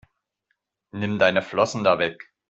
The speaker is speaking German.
Nimm deine Flossen da weg!